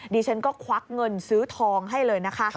ดิฉันก็ควักเงินซื้อทองให้เลยนะคะ